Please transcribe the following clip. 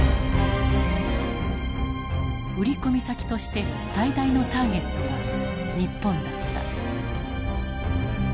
売り込み先として最大のターゲットは日本だった。